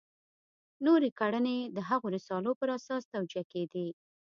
نورې کړنې د هغو رسالو پر اساس توجیه کېدې.